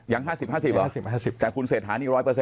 อย่าง๕๐๕๐หรอแต่คุณเศษฐานี่๑๐๐